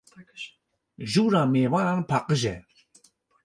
Jûra mêvanan paqij e.